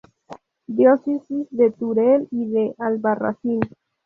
Diócesis de Teruel y de Albarracín.